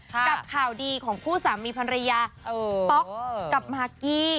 กับข่าวดีของคู่สามีภรรยาป๊อกกับมากกี้